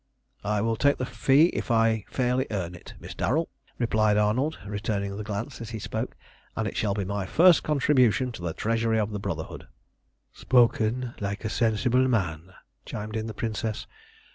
"I will take the fee if I fairly earn it, Miss Darrel," replied Arnold, returning the glance as he spoke, "and it shall be my first contribution to the treasury of the Brotherhood." "Spoken like a sensible man," chimed in the Princess.